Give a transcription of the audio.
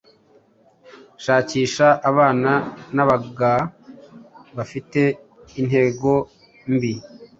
Shakisha abana nabagao bafite intego mbi